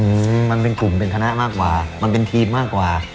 อืมมันเป็นกลุ่มเป็นคณะมากกว่ามันเป็นทีมมากกว่า